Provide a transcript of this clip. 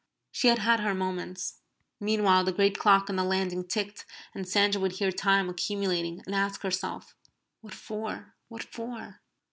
She had had her moments. Meanwhile, the great clock on the landing ticked and Sandra would hear time accumulating, and ask herself, "What for? What for?"